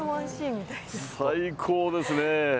最高ですね。